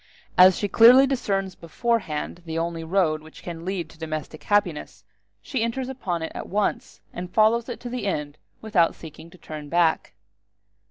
As she clearly discerns beforehand the only road which can lead to domestic happiness, she enters upon it at once, and follows it to the end without seeking to turn back.